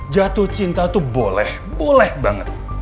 jatuh cinta itu boleh boleh banget